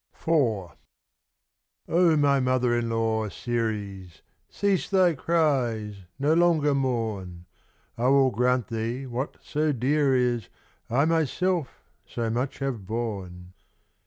IV. Oh, my mother in law, Ceres, Cease thy cries, no longer mourn. I will grant thee, what so dear is, I myself so much have borne.